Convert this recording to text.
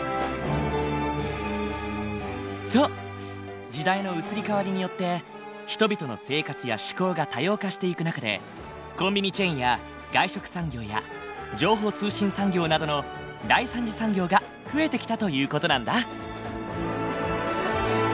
そう時代の移り変わりによって人々の生活や嗜好が多様化していく中でコンビニチェーンや外食産業や情報通信産業などの第三次産業が増えてきたという事なんだ。